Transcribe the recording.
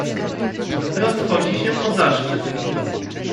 "Rozchodzi się o zaszczyt."